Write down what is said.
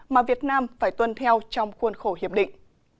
mà việt nam phải tuân theo trong khuôn khổ hiệp định